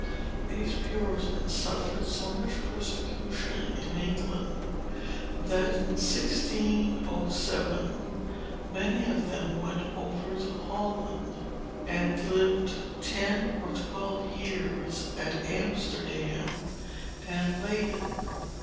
These Puritans suffered so much persecution in England that, in 1607, many of them went over to Holland, and lived ten or twelve years at Amsterdam and Leyden.